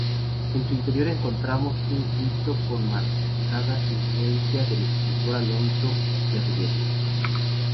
En su interior encontramos un Cristo con marcada influencia del escultor Alonso Berruguete.